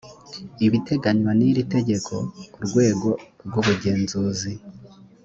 ibitegenywa n iri tegeko urwego rw ubugenzuzi